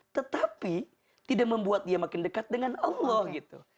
tetapi tidak membuat dia makin dekat dengan allah gitu